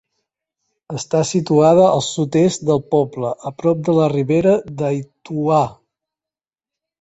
Està situada al sud-est del poble, a prop de la Ribera d'Aituà.